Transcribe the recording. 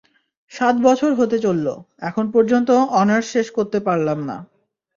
সাত বছর হতে চলল, এখন পর্যন্ত অনার্স শেষ করতে পারলাম না।